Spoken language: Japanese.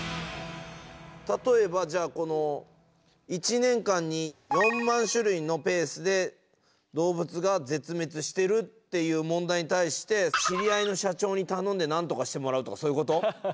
例えばじゃあこの１年間に４万種類のペースで動物が絶滅してるっていう問題に対して知り合いの社長に頼んでなんとかしてもらうとかそういうこと？